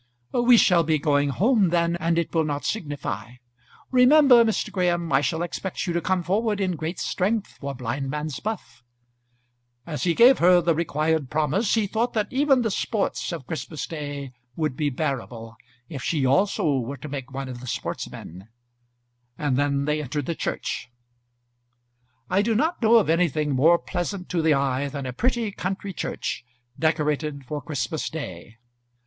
"We shall be going home then and it will not signify. Remember, Mr. Graham, I shall expect you to come forward in great strength for blindman's buff." As he gave her the required promise, he thought that even the sports of Christmas day would be bearable, if she also were to make one of the sportsmen; and then they entered the church. [Illustration: Christmas at Noningsby Morning.] I do not know of anything more pleasant to the eye than a pretty country church, decorated for Christmas day.